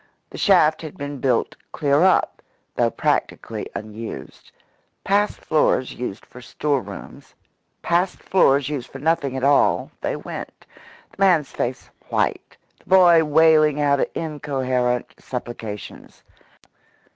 The shaft had been built clear up, though practically unused. Past floors used for store rooms, past floors used for nothing at all, they went the man's face white, the boy wailing out incoherent supplications.